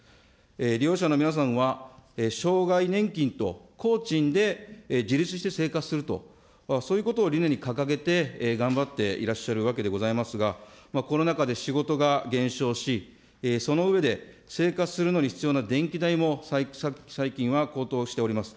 利用者の皆さんは、障害年金と工賃で自立して生活すると、そういうことを理念に掲げて頑張っていらっしゃるわけでございますが、コロナ禍で仕事が減少し、その上で、生活するのに必要な電気代も最近は高騰しております。